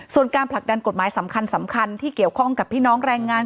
ส่วนการผลักดันกฎหมายสำคัญที่เกี่ยวข้องกับพี่น้องแรงงาน